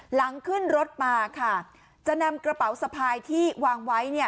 หลังขึ้นรถมาจะนำกระเป๋าสะพายที่วางไว้